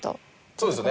そうですよね。